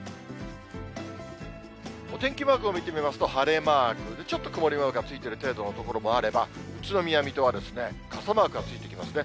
お天気マークを見てみますと、晴れマーク、ちょっと曇りマークがついている程度の所もあれば、宇都宮、水戸は傘マークがついてきますね。